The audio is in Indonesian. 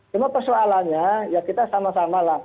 cuma persoalannya ya kita sama samalah